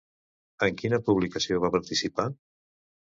En quina publicació va participar?